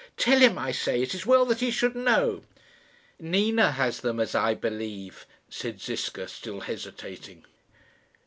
"Tell him, I say. It is well that he should know." "Nina has them, as I believe," said Ziska, still hesitating.